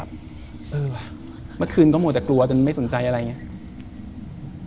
เมื่อคืนก็มัวแต่กลัวจนไม่สนใจอะไรอย่างนี้